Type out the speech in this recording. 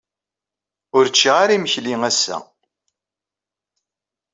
Ur ččiɣ ara imekli ass-a.